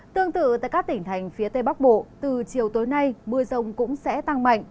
tương tự tại các tỉnh thành phía tây bắc bộ từ chiều tối nay mưa rông cũng sẽ tăng mạnh